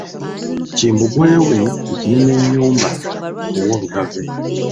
Kimbugwe we ye Kinenennyumba ow'Olugave.